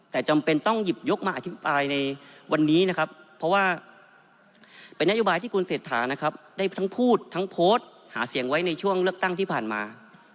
แต่จำเป็นต้องหยิบยกมาอธิบายในวันนี้นะครับเพราะว่าเป็นนโยบายที่คุณเศรษฐานะครับได้ทั้งพูดทั้งโพสต์หาเสียงไว้ในช่วงเลือกตั้งที่ผ่านมา